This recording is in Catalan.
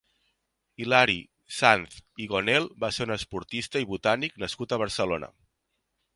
Hilari Sanz i Gonel va ser un esportista i botànic nascut a Barcelona.